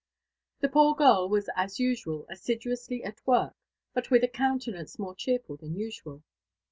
The poor girl was as usual assiduously at work, but with a eounte* nance more cheerful than usual.